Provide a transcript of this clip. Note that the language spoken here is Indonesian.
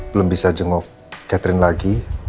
belum bisa jenguk catherine lagi